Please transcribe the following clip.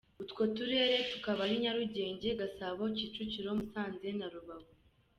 Utwo turere tukaba ari Nyarugenge, Gasabo, Kicukiro, Musanze na Rubavu.